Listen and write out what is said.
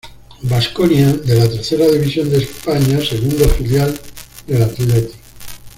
Basconia de la Tercera División de España, segundo filial del Athletic.